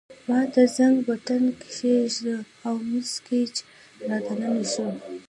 ما د زنګ بټن کښېکاږه او مس ګېج را دننه شوه.